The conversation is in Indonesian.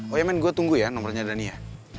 oh ya men gue tunggu ya nomornya dhani ya